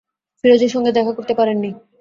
ফিরোজের সঙ্গে দেখা করতে পারেন নি।